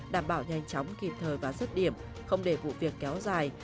đảm bảo nhanh chóng kịp thời và dứt điểm không để vụ việc kéo dài